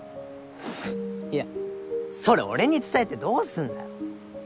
いやそれ俺に伝えてどうすんだよ。